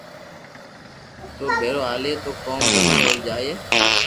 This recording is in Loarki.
تو ڀيرو ھالي تو ڪوم ڀلو ھوئيي جائي